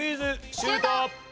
シュート！